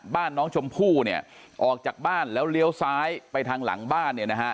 บ้านน้องชมพู่เนี่ยออกจากบ้านแล้วเลี้ยวซ้ายไปทางหลังบ้านเนี่ยนะฮะ